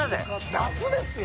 夏ですよ。